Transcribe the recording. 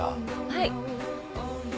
はい。